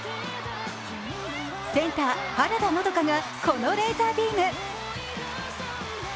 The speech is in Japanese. センター・原田のどかがこのレーザービーム。